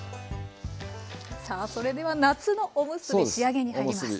さあそれでは夏のおむすび仕上げに入ります。